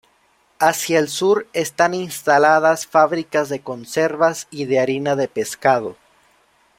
Hacia el sur están instaladas fábricas de conservas y de harina de pescado.